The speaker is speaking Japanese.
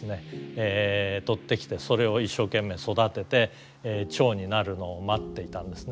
とってきてそれを一生懸命育ててチョウになるのを待っていたんですね。